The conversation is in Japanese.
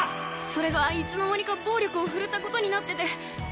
それがいつの間にか暴力を振るった事になってて。